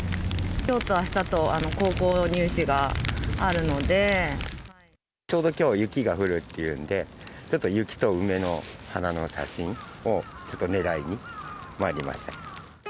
きょうとあしたと、ちょうどきょう、雪が降るっていうんで、ちょっと雪と梅の花の写真を、ちょっとねらいにまいりました。